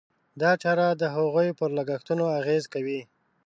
دا چاره د هغوی پر لګښتونو اغېز کوي.